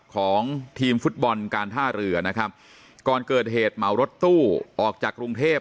ของทีมฟุตบอลการท่าเรือนะครับก่อนเกิดเหตุเหมารถตู้ออกจากกรุงเทพ